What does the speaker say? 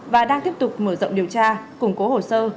và đang tiếp tục mở rộng điều tra củng cố hồ sơ